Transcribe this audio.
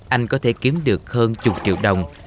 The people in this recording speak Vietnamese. anh có thể kiếm được hơn chục triệu đồng